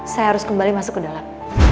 saya harus kembali masuk ke dalam